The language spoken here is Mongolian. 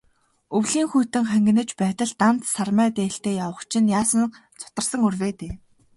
Өвлийн хүйтэн хангинаж байтал, дан сармай дээлтэй явах чинь яасан зутарсан үр вэ дээ.